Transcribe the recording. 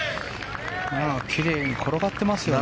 きれいに転がってますよね。